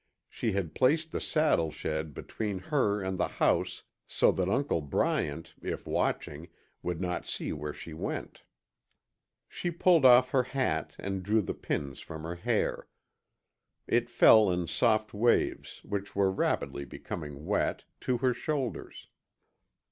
She had placed the saddle shed between her and the house so that Uncle Bryant, if watching, would not see where she went. She pulled off her hat and drew the pins from her hair. It fell in soft waves, which were rapidly becoming wet, to her shoulders.